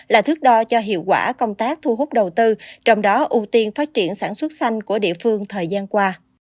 là thước đo cho hiệu quả công tác thu hút đầu tư trong đó ưu tiên phát triển sản xuất xanh của địa phương thời gian qua